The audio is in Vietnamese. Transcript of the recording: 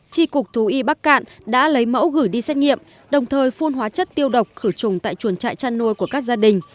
tri cục thú y bắc cạn đã lấy mẫu gửi đi xét nghiệm đồng thời phun hóa chất tiêu độc khử trùng tại chuồng trại chăn nuôi của các gia đình